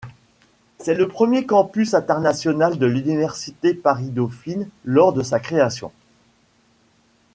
C'est le premier campus international de l'université Paris-Dauphine lors de sa création.